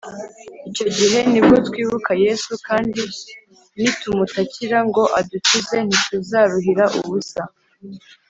icyo gihe ni bwo twibuka yesu, kandi nitumutakira ngo adukize, ntituzaruhira ubusa